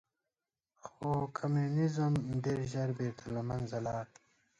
خو کمونیزم ډېر ژر بېرته له منځه لاړ.